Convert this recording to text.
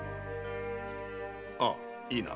ああいいな。